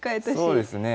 そうですね。